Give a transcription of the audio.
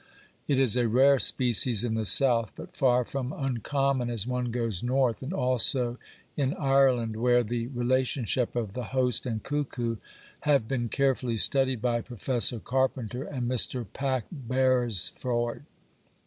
It is a rare species in the south, but far from uncommon as one goes north, and also in Ireland, where the relationship of the host and cuckoo have been carefully studied by Prof. Carpenter and Mr. Pack Beresford.